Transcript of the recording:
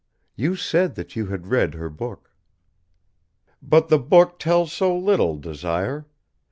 You said that you had read her book." "But the book tells so little, Desire.